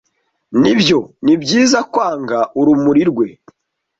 nibyo nibyiza kwanga urumuri rwe